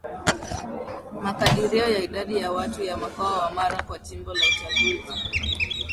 Makadirio ya Idadi ya Watu ya Mkoa wa Mara kwa Jimbo la Uchaguzi